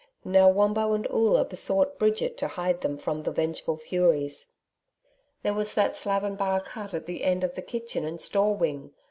Now Wombo and Oola besought Bridget to hide them from the vengeful furies. There was that slab and bark hut at the end of the kitchen and store wing.